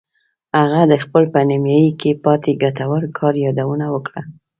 هغه د خپل په نیمایي کې پاتې ګټور کار یادونه وکړه